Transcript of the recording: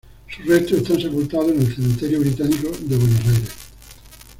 Sus restos están sepultados en el Cementerio Británico de Buenos Aires.